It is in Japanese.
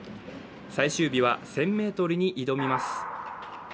最終日は１０００ｍに挑みます。